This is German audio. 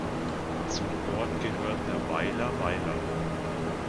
Zum Ort gehört der Weiler Weiler.